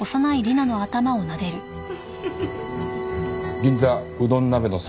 銀座うどん鍋の里